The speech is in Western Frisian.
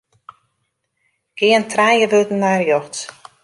Gean trije wurden nei rjochts.